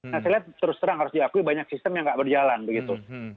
nah saya lihat terus terang harus diakui banyak sistem yang nggak berjalan begitu